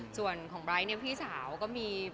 ส่วนของไบร์ทเนี่ยพี่สาวก็มี